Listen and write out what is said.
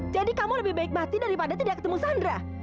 jadi kamu lebih baik mati daripada tidak ketemu sandra